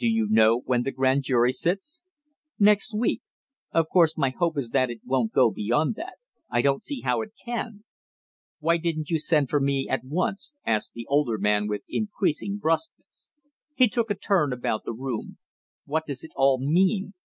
"Do you know when the grand jury sits?" "Next week. Of course my hope is that it won't go beyond that; I don't see how it can!" "Why didn't you send for me at once?" asked the older man with increasing bruskness. He took a turn about the room. "What does it all mean?